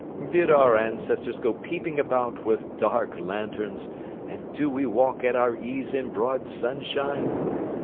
Did our ancestors go peeping about with dark lanterns, and do we walk at our ease in broad sunshine?